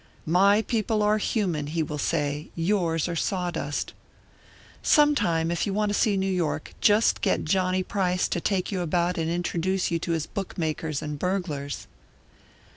'My people are human,' he will say; 'yours are sawdust.' Sometime, if you want to see New York, just get Johnny Price to take you about and introduce you to his bookmakers and burglars!"